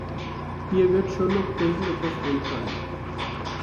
Dir wird schon noch irgendetwas einfallen.